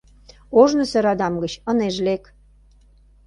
Ожнысо радам гыч ынеж лек...